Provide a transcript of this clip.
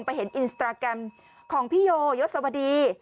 เห็นอินสตราแกรมของพี่โยยศวดี